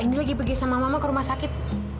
ini lagi pergi sama mama ke rumah sakit